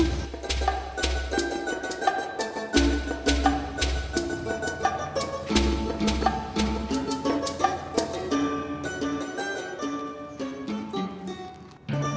sebentar ya mang